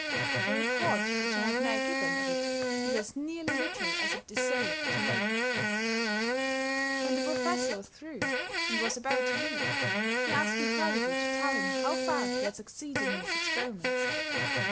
The report which I have now given of it is as nearly literal as it is safe to make it. When the Professor was through, and was about to leave, he asked me privately to tell him how far he had succeeded in his experiments.